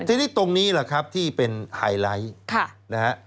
ที่นี้ตรงนี้ละครับที่เป็นไฮไลท์